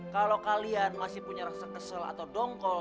kalau kalian masih punya rasa kesel atau dongkol